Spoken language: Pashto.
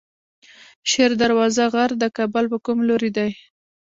شیر دروازه غر د کابل په کوم لوري دی؟